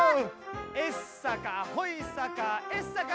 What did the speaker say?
えっさかほいさかえっさか！